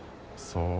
そう？